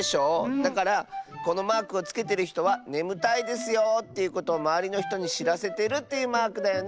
だからこのマークをつけてるひとはねむたいですよということをまわりのひとにしらせてるというマークだよね。